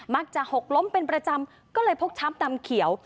หกล้มเป็นประจำก็เลยพกช้ำดำเขียว